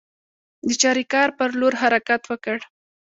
د چاریکار پر لور حرکت وکړ.